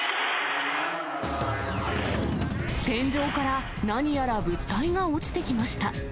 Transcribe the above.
天井から何やら物体が落ちてきました。